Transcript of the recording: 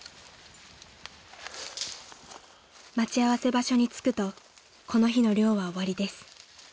［待ち合わせ場所に着くとこの日の猟は終わりです］